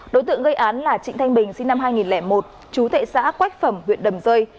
đối tượng gây án là trịnh thanh bình sinh năm hai nghìn một chú tệ xã quách phẩm huyện đầm rơi